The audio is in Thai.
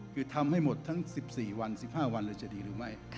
คือทำให้หมดทั้ง๑๔วัน๑๕วันเลยจะดีหรือไม่